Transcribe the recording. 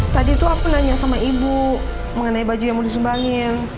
tadi itu aku nanya sama ibu mengenai baju yang mau disumbangin